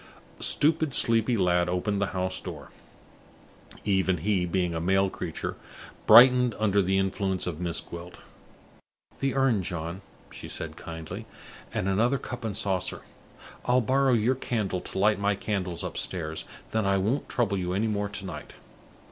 A stupid, sleepy lad opened the house door. Even he, being a male creature, brightened under the influence of Miss Gwilt. "The urn, John," she said, kindly, "and another cup and saucer. I'll borrow your candle to light my candles upstairs, and then I won't trouble you any more to night."